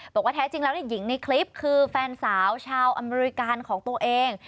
บอกว่าแท้จริงแล้วหญิงในคลิปคือแฟนสาวชาวอเมริกาของตัวเอง